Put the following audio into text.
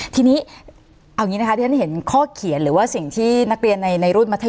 ทีนี้เอาอย่างนี้นะคะที่ฉันเห็นข้อเขียนหรือว่าสิ่งที่นักเรียนในรุ่นมัธย